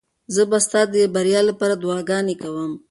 زه به ستا د بریا لپاره دعاګانې کوم.